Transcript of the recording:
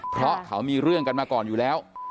เพราะเขามีเรื่องกันมาก่อนอยู่แล้ว